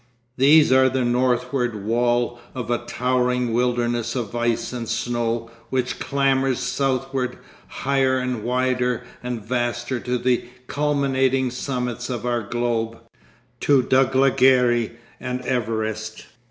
These are the northward wall of a towering wilderness of ice and snow which clambers southward higher and wilder and vaster to the culminating summits of our globe, to Dhaulagiri and Everest.